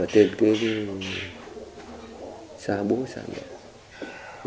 trên cái xa bố xa mẹ